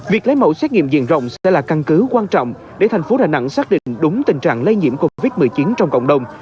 việc lấy mẫu xét nghiệm diện rộng sẽ là căn cứ quan trọng để thành phố đà nẵng xác định đúng tình trạng lây nhiễm covid một mươi chín trong cộng đồng